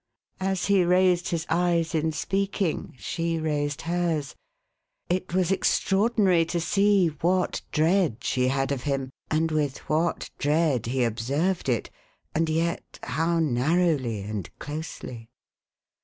As he raised his eyes in speaking, she raised hers. It was extraordinary to see what dread she had of him, and with what dread he observed it — and yet how narrowly and closely.